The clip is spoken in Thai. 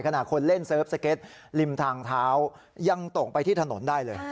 ขณะคนเล่นเสิร์ฟสเก็ตริมทางเท้ายังตกไปที่ถนนได้เลย